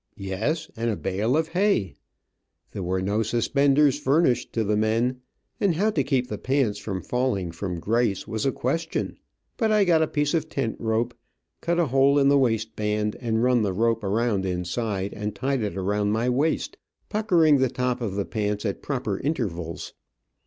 Yes, and a bale of hay. There were no suspenders furnished to the men, and how to keep the pants from falling from grace was a question, but I got a piece of tent rope, cut a hole in the waist band, and run the rope around inside, and tied it around my waist, puckering the top of the pants at proper intervals.